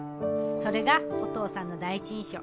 それがお父さんの第一印象。